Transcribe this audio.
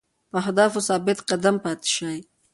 په اهدافو ثابت قدم پاتې شئ.